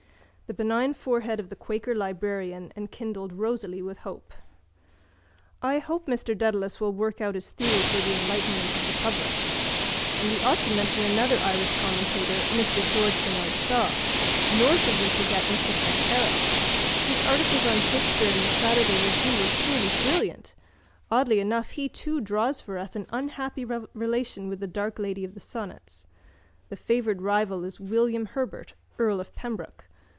The benign forehead of the quaker librarian enkindled rosily with hope. —I hope Mr Dedalus will work out his theory for the enlightenment of the public. And we ought to mention another Irish commentator, Mr George Bernard Shaw. Nor should we forget Mr Frank Harris. His articles on Shakespeare in the Saturday Review were surely brilliant. Oddly enough he too draws for us an unhappy relation with the dark lady of the sonnets. The favoured rival is William Herbert, earl of Pembroke.